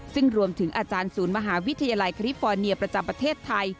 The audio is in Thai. ซึ่งรวมถึงอาจารย์ศูนย์มหาวิทยาลัยคลิฟฟอร์เนียประจำประเทศไทย